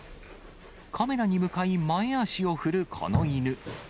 カメラに向かい前足を振るこの犬。